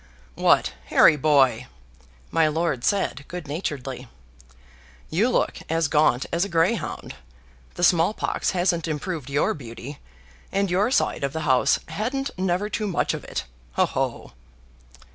"What, Harry, boy!" my lord said, good naturedly, "you look as gaunt as a greyhound. The small pox hasn't improved your beauty, and your side of the house hadn't never too much of it ho, ho!"